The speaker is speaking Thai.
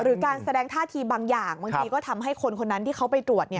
การแสดงท่าทีบางอย่างบางทีก็ทำให้คนคนนั้นที่เขาไปตรวจ